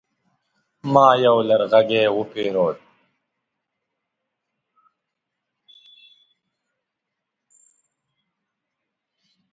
ما يو لرغږی وپيرود